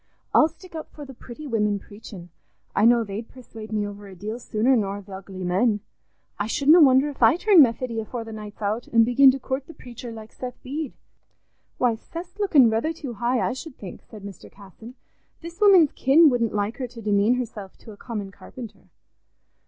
"I'll stick up for the pretty women preachin'; I know they'd persuade me over a deal sooner nor th' ugly men. I shouldna wonder if I turn Methody afore the night's out, an' begin to coort the preacher, like Seth Bede." "Why, Seth's looking rether too high, I should think," said Mr. Casson. "This woman's kin wouldn't like her to demean herself to a common carpenter."